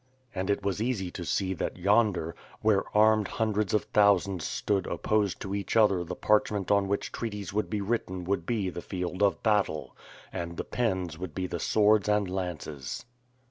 And it was easy to see that yonder, where armed hundreds of thousands stood opposed to each other the parchment on which treaties would be written would be the Held of battle, and the pens would be the swords and lances.